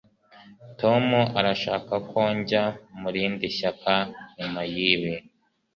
tom arashaka ko njya mu rindi shyaka nyuma yibi